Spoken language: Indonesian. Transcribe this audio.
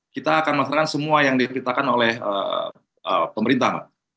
kita akan melaksanakan semua yang diberitakan oleh pemerintah